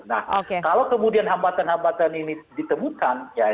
nah kalau kemudian hambatan hambatan ini ditemukan ya